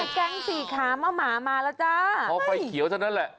แก๊งสี่ขามะหมามาแล้วจ้าพอไฟเขียวเท่านั้นแหละ